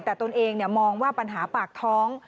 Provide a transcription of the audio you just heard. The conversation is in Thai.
แต่ตนเองมองว่าปัญหาปากท้อง